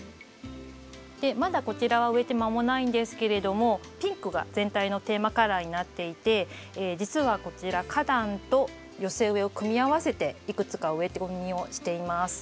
まだこちらは植えて間もないんですけれどもピンクが全体のテーマカラーになっていて実はこちら花壇と寄せ植えを組み合わせていくつか植え込みをしています。